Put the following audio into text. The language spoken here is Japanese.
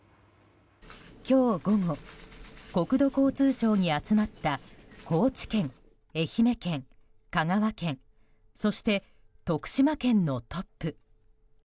今日午後国土交通省に集まった高知県、愛知県、香川県そして徳島県のトップ。